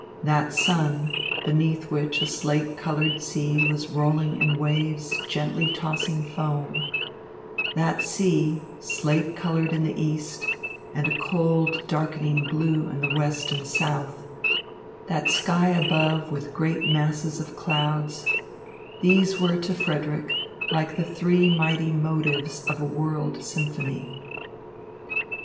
That sun, beneath which a slate coloured sea was rolling in waves gently tossing foam that sea, slate coloured in the east and a cold, darkening blue in the west and south that sky above, with great masses of clouds these were to Frederick like the three mighty motives of a world symphony.